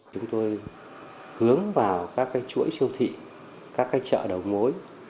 chúng tôi hướng vào các cái chuỗi siêu thị các cái chợ đầu mối